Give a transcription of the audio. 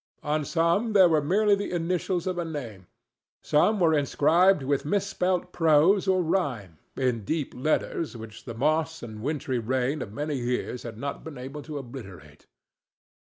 On some there were merely the initials of a name; some were inscribed with misspelt prose or rhyme, in deep letters which the moss and wintry rain of many years had not been able to obliterate.